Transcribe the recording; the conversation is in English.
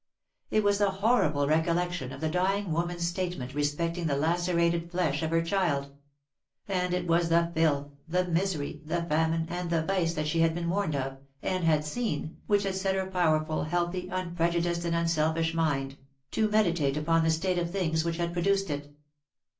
It was the horrible recollec tion of the dying woman's statement respecting the lacerated flesh of her child — and it was the filth, the misery, the famine, and the vice that she had been warned of, and had seen, which had set her power ful, healthy, unprejudiced, and unselfish mind, to meditate upon the state of things which had produced it.